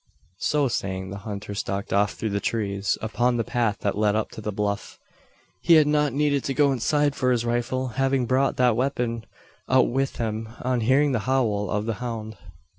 So saying, the hunter stalked off through the trees upon the path that led up to the bluff. He had not needed to go inside for his rifle having brought that weapon out with him, on hearing the howl of the hound.